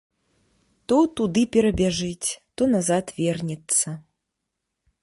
То туды перабяжыць, то назад вернецца.